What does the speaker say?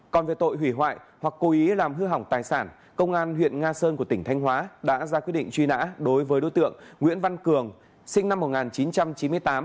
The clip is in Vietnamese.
còn về tội hủy hoại hoặc cố ý làm hư hỏng tài sản công an huyện nga sơn của tỉnh thanh hóa đã ra quyết định truy nã đối với đối tượng nguyễn văn cường sinh năm một nghìn chín trăm chín mươi tám